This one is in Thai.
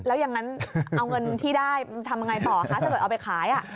แล้วยังงั้นเอาเงินที่ได้ทำยังไงต่อถ้าโดยเอาไปขาย